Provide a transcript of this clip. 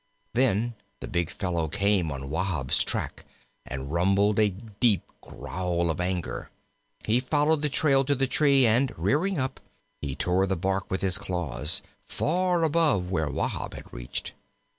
Then the big fellow came on Wahb's track and rumbled a deep growl of anger; he followed the trail to the tree, and rearing up, he tore the bark with his claws, far above where Wahb had reached.